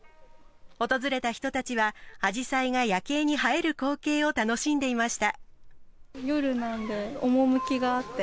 訪れた人たちはアジサイが夜景に映える光景を楽しんでいました。